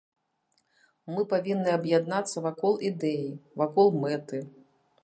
Мы павінны аб'яднацца вакол ідэі, вакол мэты.